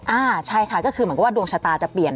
อ่าใช่ค่ะก็คือเหมือนกับว่าดวงชะตาจะเปลี่ยน